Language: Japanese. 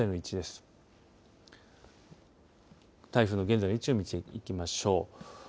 台風の現在の位置を見ていきましょう。